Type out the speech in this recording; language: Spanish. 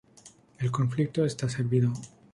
El conflicto está servido.